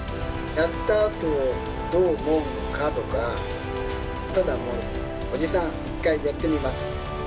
やったあとどう思うのかとか、ただもう、おじさん一回やってみます。